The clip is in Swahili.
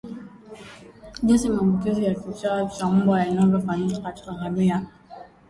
Jinsi maambukizi ya kichaa cha mbwa yanavyofanyika katika ngamia